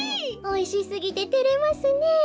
おいしすぎててれますねえ。